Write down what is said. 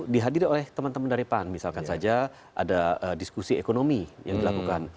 dihadiri oleh teman teman dari pan misalkan saja ada diskusi ekonomi yang dilakukan